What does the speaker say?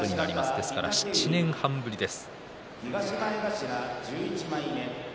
ですから７年半ぶりです。